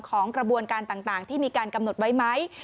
ของกระบวนการต่างที่มีการกำหนดไว้ไหม